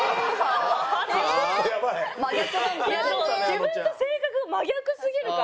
自分と性格が真逆すぎるから。